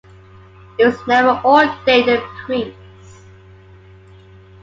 He was never ordained a priest.